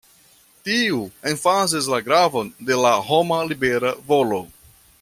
Tiu emfazis la gravon de la homa libera volo.